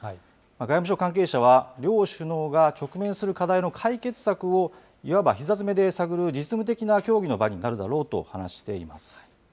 外務省関係者は、両首脳が直面する課題の解決策をいわばひざ詰めで探る、実務的な協議の場になるだろうと話しています。